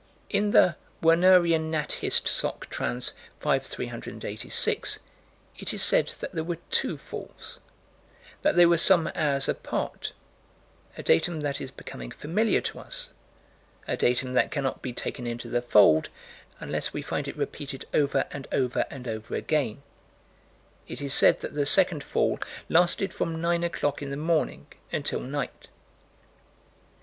In the Wernerian Nat. Hist. Soc. Trans., 5 386, it is said that there were two falls that they were some hours apart a datum that is becoming familiar to us a datum that cannot be taken into the fold, unless we find it repeated over and over and over again. It is said that the second fall lasted from nine o'clock in the morning until night.